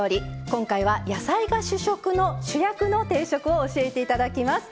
今回は野菜が主食の主役の定食を教えて頂きます。